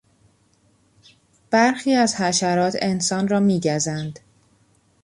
برخی از حشرات انسان را میگزند.